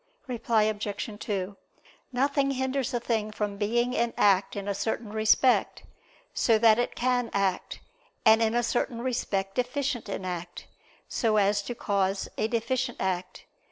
Reply Obj. 2: Nothing hinders a thing from being in act in a certain respect, so that it can act; and in a certain respect deficient in act, so as to cause a deficient act.